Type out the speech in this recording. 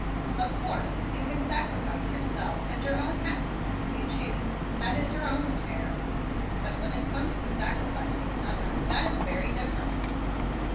Of course you can sacrifice yourself and your own happiness if you choose. That is your own affair. But when it comes to sacrificing another, that is very different.